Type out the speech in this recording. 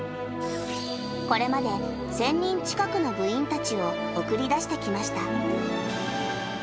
これまで１０００人近くの部員たちを送り出してきました。